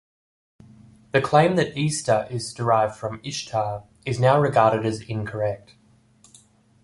The claim that "Easter" is derived from "Ishtar" is now regarded as incorrect.